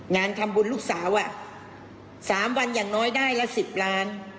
งานทำบุญลูกสาว๓วันอย่างน้อยได้ละ๑๐ล้าน